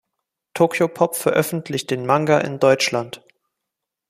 Tokyopop veröffentlicht den Manga in Deutschland.